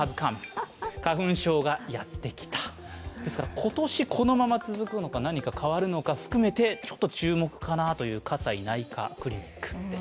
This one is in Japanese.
今年、このまま続くのか何か変わるのかを含めてちょっと注目かなという、かさい内科クリニックです。